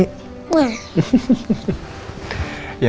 vt sangat kece